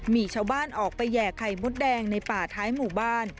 มีชาวบ้านออกไปแห่ไข่มดแดงในป่าท้ายหมู่บ้าน